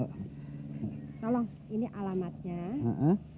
oh boleh yani